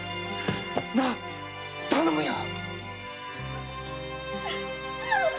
な頼むよ。